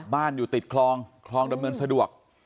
บ้านอยู่ติดคลองคลองดำเนินสะดวก